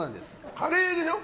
カレーでしょ？